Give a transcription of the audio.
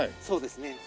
そうですね。